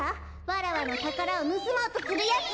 わらわのたからをぬすもうとするやつは！